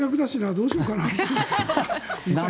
どうしようかな。